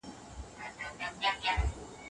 خاله او عمه د خپلوۍ کوم مقام لري؟